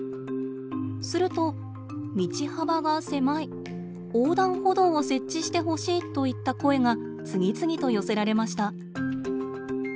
すると「道幅が狭い」「横断歩道を設置してほしい」といった声が次々と寄せられました。